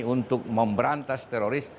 untuk memberantas teroris